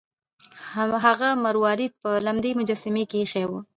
هغه مروارید په لمدې مجسمې کې ایښی و.